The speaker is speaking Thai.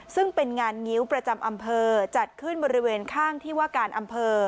ซึ่งเป็นงานงิ้วประจำอำเภอจัดขึ้นบริเวณข้างที่ว่าการอำเภอ